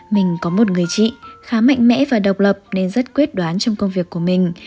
mình có một người chị khá mạnh mẽ và độc lập nên rất quyết đoán trong công việc của mình